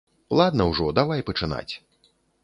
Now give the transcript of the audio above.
Ладна ўжо, давай пачынаць.